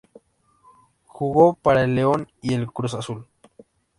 Jugó para el León y el Cruz Azul.